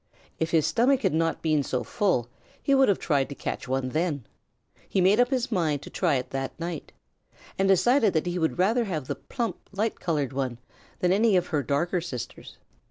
If his stomach had not been so full he would have tried to catch one then. He made up his mind to try it that night, and decided that he would rather have the plump, light colored one than any of her darker sisters.